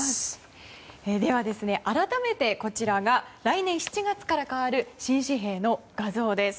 では、改めてこちらが来年７月から変わる新紙幣の画像です。